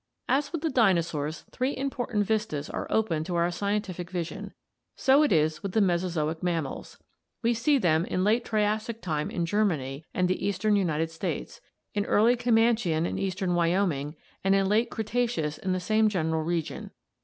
— As with the dinosaurs three important vistas are open to our scientific vision, so it is with the Mesozoic mammals. We see them in late Triassic time in Germany and the eastern United States, in early Comanchian in eastern Wyoming, and in late Cretaceous in the same general region.